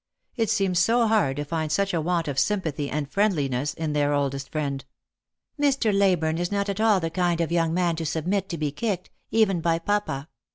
It seemed so hard to find such a want of sympathy and friendliness in their oldest friend. " Mr. Ley burne is not at all the kind of young man to submit to be kicked, even by papa.